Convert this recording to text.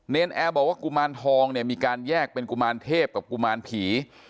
นแอร์บอกว่ากุมารทองเนี่ยมีการแยกเป็นกุมารเทพกับกุมารผี